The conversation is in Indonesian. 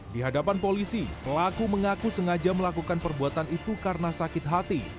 di hadapan polisi pelaku mengaku sengaja melakukan perbuatan itu karena sakit hati